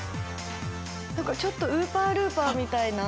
何かちょっとウーパールーパーみたいな。